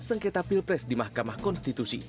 sengketa pilpres di mahkamah konstitusi